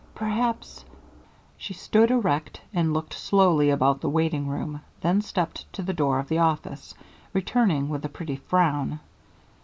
"Perhaps" she stood erect and looked slowly about the waiting room, then stepped to the door of the office, returning with a pretty frown.